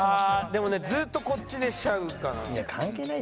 でもねずっとこっちでしちゃうかな。